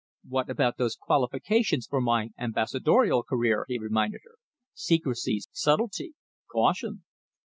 "What about those qualifications for my ambassadorial career?" he reminded her "Secrecy, subtlety, caution."